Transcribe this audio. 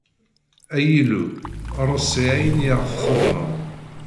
Ay Illu, reṣṣi ayen i aɣ-txedmeḍ.